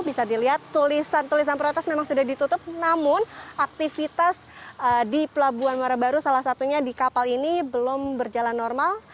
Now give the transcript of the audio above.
bisa dilihat tulisan tulisan protes memang sudah ditutup namun aktivitas di pelabuhan muara baru salah satunya di kapal ini belum berjalan normal